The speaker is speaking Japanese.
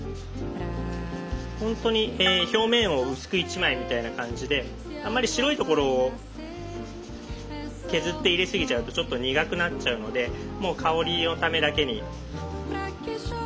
ほんとに表面を薄く１枚みたいな感じであんまり白いところを削って入れすぎちゃうとちょっと苦くなっちゃうのでもう香りのためだけに。